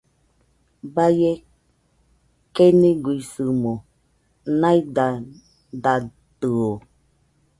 Baie keniguisɨmo naidadatɨo